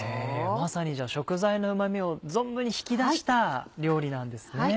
まさに食材のうまみを存分に引き出した料理なんですね。